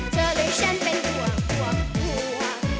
เธอเลยฉันเป็นกลัว